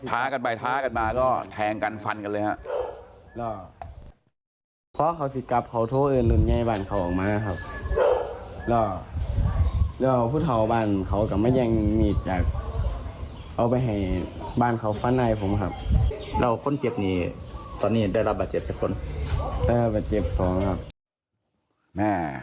กันไปท้ากันมาก็แทงกันฟันกันเลยครับ